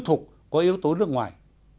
nhưng không có tâm lý xính ngoại